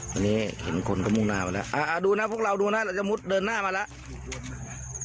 ตอนนี้เห็นคนก็มุ่งหน้าไปแล้วดูนะพวกเราดูนะเราจะมุดเดินหน้ามาแล้ว